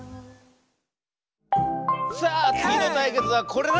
さあつぎのたいけつはこれだ！